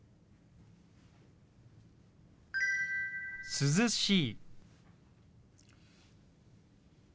「涼しい」。